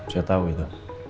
saya tahu itu